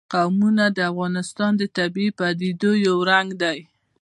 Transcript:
قومونه د افغانستان د طبیعي پدیدو یو رنګ دی.